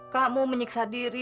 kamu menyiksa diri